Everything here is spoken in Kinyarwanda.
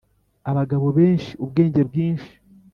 abagabo benshi, ubwenge bwinshi.